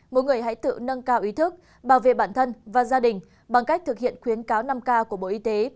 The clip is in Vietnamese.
mỗi người hãy tự nâng cao ý thức bảo vệ bản thân và gia đình bằng cách thực hiện khuyến cáo năm k của bộ y tế